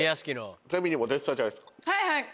はいはい。